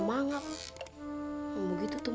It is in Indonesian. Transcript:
masukin ke bedung